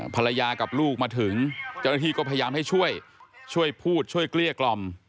ภรรยากับลูกมาถึงเจ้าหน้าที่ก็พยายามให้ช่วยช่วยพูดช่วยเกลี้ยกล่อม